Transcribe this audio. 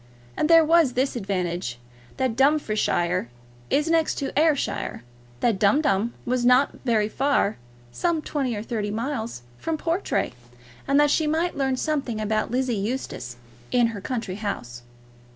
And there was this advantage, that Dumfriesshire is next to Ayrshire, that Dumdum was not very far, some twenty or thirty miles, from Portray, and that she might learn something about Lizzie Eustace in her country house.